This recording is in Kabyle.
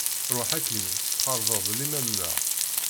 Ruḥ akin tesxerbeḍ liman-nneɣ.